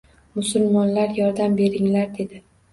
Musulmonlar yordam beringlar dedi